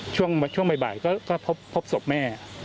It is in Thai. ช่วงบ่ายก็พบศพแม่